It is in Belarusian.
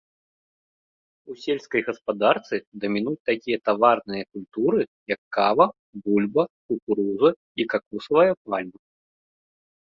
У сельскай гаспадарцы дамінуюць такія таварныя культуры, як кава, бульба, кукуруза і какосавая пальма.